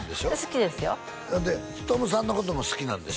好きですよ功さんのことも好きなんでしょ？